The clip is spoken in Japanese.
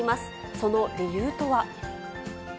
その理由とは。